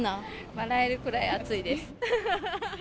笑えるくらい暑いです。